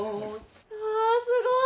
うわすごい！